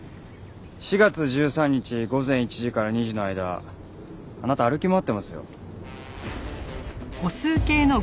４月１３日午前１時から２時の間あなた歩き回ってますよ。